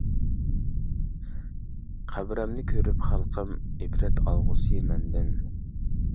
قەبرەمنى كۆرۈپ خەلقىم، ئىبرەت ئالغۇسى مەندىن.